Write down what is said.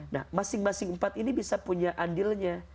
nah masing masing empat ini bisa punya adilnya